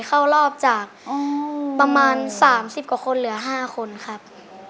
เข้ารอบจากประมาณ๓๐กว่าคนเหลือ๕คนครับ